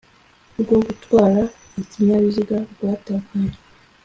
rwo gutwara ikinyabiziga rwatakaye